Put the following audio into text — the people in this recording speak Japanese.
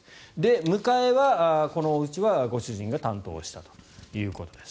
迎えは、このおうちはご主人が担当したということです。